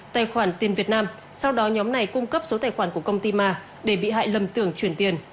tài khoản tiền việt nam sau đó nhóm này cung cấp số tài khoản của công ty ma để bị hại lầm tưởng chuyển tiền